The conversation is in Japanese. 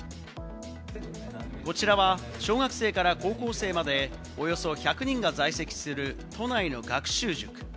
こちらは小学生から高校生までおよそ１００人が在籍する都内の学習塾。